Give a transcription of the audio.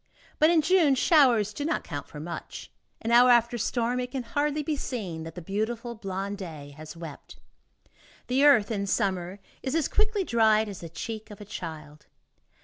But in June, showers do not count for much. An hour after a storm, it can hardly be seen that the beautiful blonde day has wept. The earth, in summer, is as quickly dried as the cheek of a child.